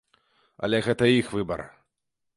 Але гэта іх выбар.